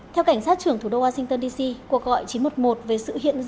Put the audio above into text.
theo cảnh sát trưởng thủ đô washington dc cuộc gọi chín trăm một mươi một về sự hiện diện